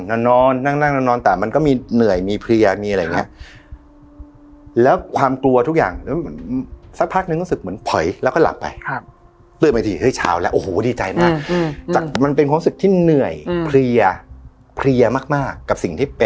นั่งนั่งนั่งนอนแต่มันก็มีเหนื่อยมีเพลียมีอะไรอย่างเงี้ยครับแล้วความกลัวทุกอย่าง